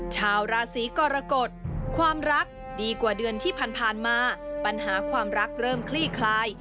ชาวราศีกรกฎความรักดีกว่าเดือนที่ผ่านมาปัญหาความรักเริ่มคลี่คลาย